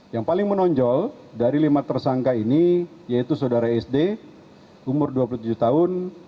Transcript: yang paling menonjol dari lima tersangka ini yaitu saudara sd umur dua puluh tujuh tahun